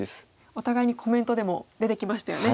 お互いにコメントでも出てきましたよね